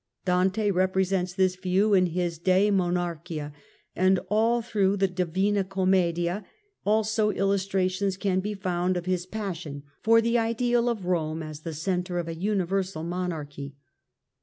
Dante represents this view in his De Mon archia and all through the Dlvina Commedia also illus trations can be found of his passion for the ideal of Eome as the centre of a universal monarchy.